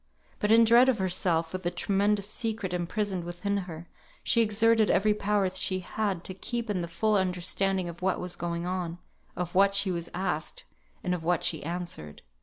But in her dread of herself, with the tremendous secret imprisoned within her, she exerted every power she had to keep in the full understanding of what was going on, of what she was asked, and of what she answered.